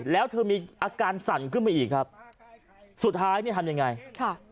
แล้วเธอมีอาการสั่นขึ้นมาอีกครับสุดท้ายเนี่ยทำยังไงค่ะ